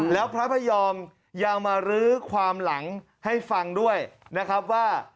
แล้วพระพยอมยังมารื้อความหลังให้ฟังด้วยนะครับว่า